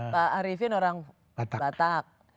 pak arifin orang batak